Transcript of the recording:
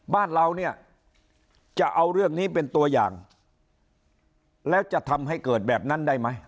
บ้านเราเนี่ยจะเอาเรื่องนี้เป็นตัวอย่างแล้วจะทำให้เกิดแบบนั้นได้ไหม